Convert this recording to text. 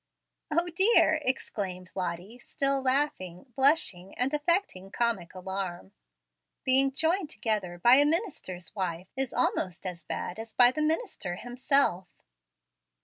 "O dear!" exclaimed Lottie, still laughing, blushing, and affecting comic alarm; "being joined together by a minister's wife is almost as bad as by the minister himself."